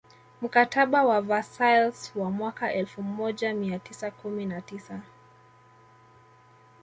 Mkataba wa Versailles wa mwaka elfu moja mia tisa kumi na tisa